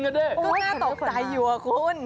สนับสนามก็น่าตกใจอยู่เหรอคุณ